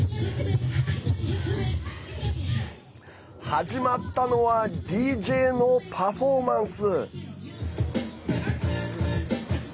始まったのはＤＪのパフォーマンス。